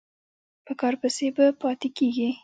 په کار پسې به پاتې کېږې.